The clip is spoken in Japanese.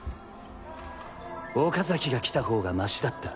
岡崎が来た方がマシだった。